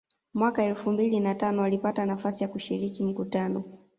Mwaka elfu mbili na tano alipata nafasi ya kushiriki mkutano